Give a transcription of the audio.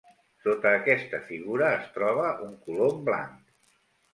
Sota aquesta figura es troba un colom blanc.